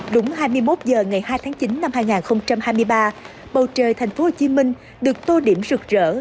đúng hai mươi một h ngày hai tháng chín năm hai nghìn hai mươi ba bầu trời thành phố hồ chí minh được tô điểm rực rỡ